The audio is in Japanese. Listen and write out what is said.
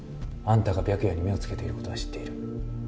あんたが白夜に目をつけていることは知っている。